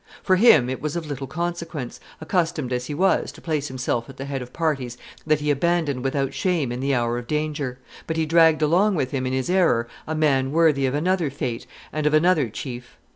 For him it was of little consequence, accustomed as he was to place himself at the head of parties that he abandoned without shame in the hour of danger; but he dragged along with him in his error a man worthy of another fate and of another chief.